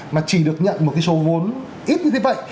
mà chỉ được nhận một cái số vốn ít như thế vậy